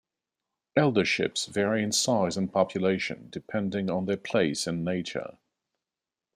Elderships vary in size and population depending on their place and nature.